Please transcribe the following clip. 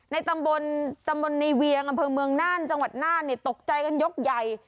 ตำบลตำบลในเวียงอำเภอเมืองน่านจังหวัดน่านตกใจกันยกใหญ่